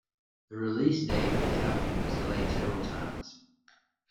The release date of the album was delayed several times.